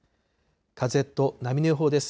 風と波の予報です。